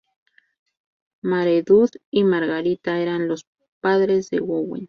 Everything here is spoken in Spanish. Maredudd y Margarita eran los padres de Owen.